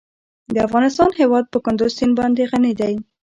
د افغانستان هیواد په کندز سیند باندې غني دی.